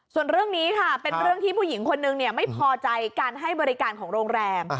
ส่วนเรื่องนี้ค่ะเป็นเรื่องที่ผู้หญิงคนนึงไม่พอใจการให้บริการของโรงแรม